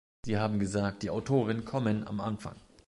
Sie haben gesagt, die Autoren kommen am Anfang.